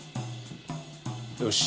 よし！